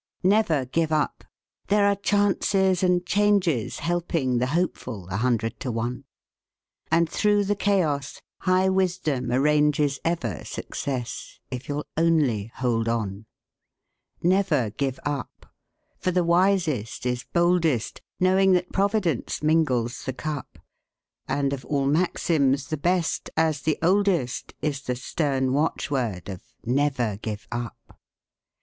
"Never give up, there are chances and changes, Helping the hopeful, a hundred to one; And, through the chaos, High Wisdom arranges Ever success, if you'll only hold on. Never give up; for the wisest is boldest, Knowing that Providence mingles the cup, And of all maxims, the best, as the oldest, Is the stern watchword of 'Never give up!'"